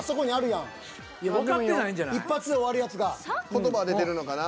言葉は出てるのかな？